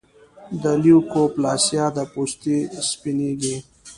د لیوکوپلاسیا د پوستې سپینېږي.